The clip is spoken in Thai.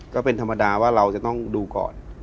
ก็เป็นธรรมดาว่าเราจะต้องดูก่อน